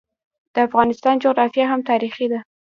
د افغانستان جغرافیه هم تاریخي ده.